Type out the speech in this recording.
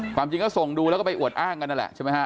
ความจริงก็ส่งดูแล้วก็ไปอุดอ้างกันแล้วแหละ